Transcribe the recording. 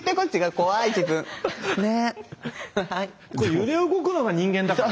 揺れ動くのが人間だから。